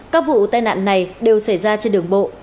các vụ tai nạn này đều xảy ra trên đường bộ